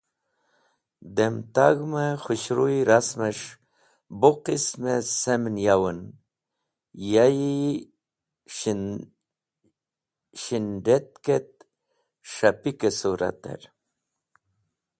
Dem tag̃hm-e khũhruy rasmes̃h bu qism-e semn yawen, ya’i shind̃etk et s̃hapki-e sũrater.